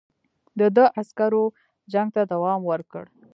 د ده عسکرو جنګ ته دوام ورکړ.